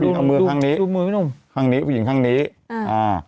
ดูมือให้นุ่มผู้หญิงต้องเอามือข้างนี้